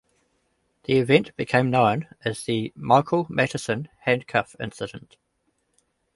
The event became known as the "Michael Matteson Handcuff Incident".